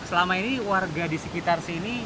selama ini warga di sekitar sini